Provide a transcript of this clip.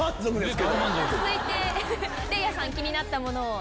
続いてれいあさん気になったものを。